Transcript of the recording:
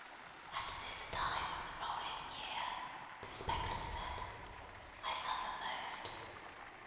"At this time of the rolling year," the spectre said, "I suffer most.